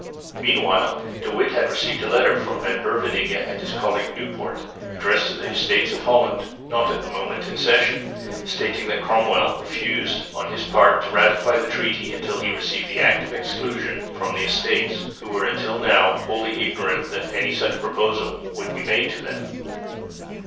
Meanwhile De Witt had received a letter from Van Beverningh and his colleague Nieuwpoort addressed to the Estates of Holland (not at the moment in session) stating that Cromwell refused on his part to ratify the treaty until he received the Act of Exclusion from the Estates, who were until now wholly ignorant that any such proposal would be made to them.